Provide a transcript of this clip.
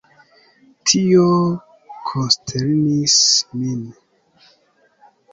Tio konsternis min.